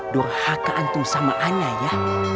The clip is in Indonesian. durhaka antum sama ana ya